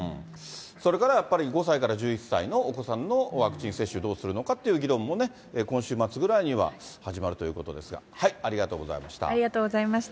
それからやっぱり、５歳から１１歳のお子さんのワクチン接種どうするのかっていう議論もね、今週末ぐらいには始まるということですが、ありがとうごありがとうございました。